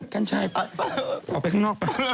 กั้นช่ายออกไปข้างนอกไป